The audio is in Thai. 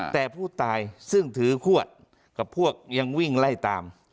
แต่ผู้ตายซึ่งถือขวดกับพวกยังวิ่งไล่ตาม